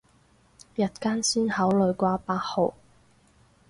日間先考慮掛八號